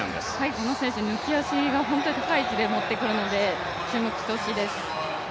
この選手、抜き足が本当に高い位置に持ってくるので注目して欲しいです。